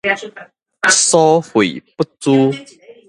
所費不貲